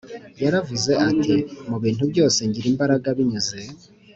yaravuze ati mu bintu byose ngira imbaraga binyuze